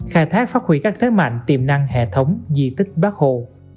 khai thác phát huy các thế mạnh tiềm năng hệ thống di tích bác hồ